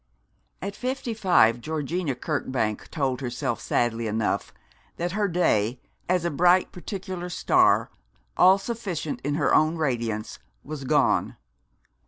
At fifty five, Georgina Kirkbank told herself sadly enough that her day, as a bright particular star, all sufficient in her own radiance, was gone.